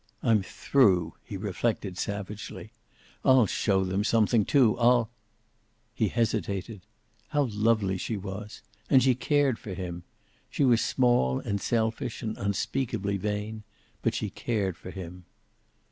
"I'm through," he reflected savagely. "I'll show them something, too. I'll " He hesitated. How lovely she was! And she cared for him. She was small and selfish and unspeakably vain, but she cared for him.